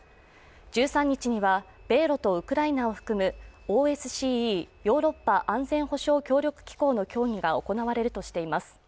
１３日には米ロとウクライナを含むＯＳＣＥ＝ヨーロッパ安全保障協力機構の協議が行われるとしています。